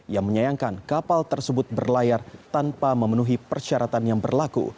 yang menyayangkan kapal tersebut berlayar tanpa memenuhi persyaratan yang berlaku